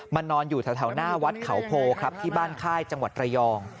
มานอนอยู่ทะเท่าหน้าวัดเขาโพที่บ้านค่ายจังหวัดระยอง